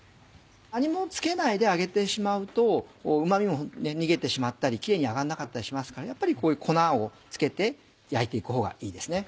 何も付けないで揚げてしまうとうま味も逃げてしまったりキレイに揚がんなかったりしますからやっぱりこういう粉を付けて焼いて行くほうがいいですね。